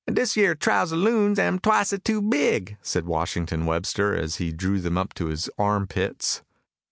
"An' dis yere trowsusloons am twicet too big," said Washington Webster, as he drew them up to his armpits.